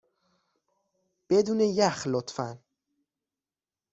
بدون یخ، لطفا.